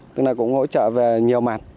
tức là cũng hỗ trợ về nhiều mặt